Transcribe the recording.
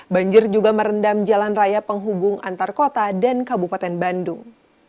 banjir juga merendam jalan raya penghubung antar kota dan kabupaten bandung